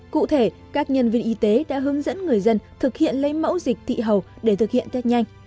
cụ thể các nhân viên y tế đã hướng dẫn người dân thực hiện lấy mẫu dịch thị hầu để thực hiện test nhanh